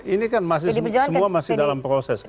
ini kan semua masih dalam proses kan